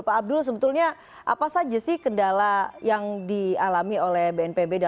pak abdul sebetulnya apa saja sih kendala yang dialami oleh bnpb